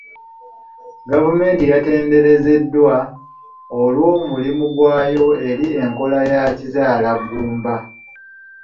Gavumenti yatenderezeddwa olw'omulimu gwayo eri enkola ya kizaalaggumba.